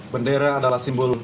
bendera adalah simbol